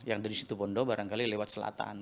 yang dari situ bondo barangkali lewat selatan